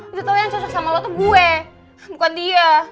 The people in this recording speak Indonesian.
itu tuh yang cocok sama lo tuh gue bukan dia